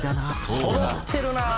「そろってるなあ」